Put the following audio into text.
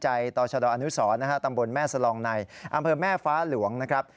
ต่อชดอนุสรนะฮะตำบลแม่สลองในอำเภอแม่ฟ้าหลวงนะครับ